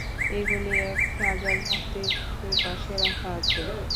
এগুলি এক রাজার মূর্তির দুপাশে রাখা আছে।